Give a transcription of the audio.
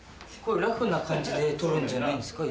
ラフな感じで撮るんじゃないんですか？